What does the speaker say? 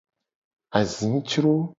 Azicro.